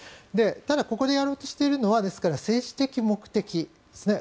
ただ、ここでやろうとしているのは政治的目的ですね。